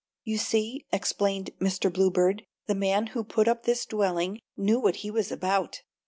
"You see," explained Mr. Bluebird, "the man who put up this dwelling knew what he was about.